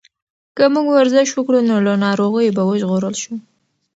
که موږ ورزش وکړو نو له ناروغیو به وژغورل شو.